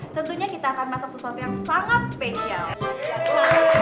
tentunya kita akan masak sesuatu yang sangat spesial